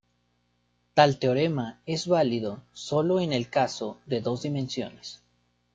Tal teorema es válido sólo en el caso de dos dimensiones.